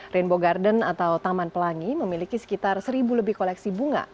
rainbow garden atau taman pelangi memiliki sekitar seribu lebih koleksi bunga